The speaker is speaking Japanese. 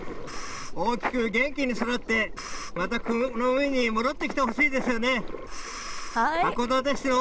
大きく元気に育って、また、この海に戻ってきてほしいですよね。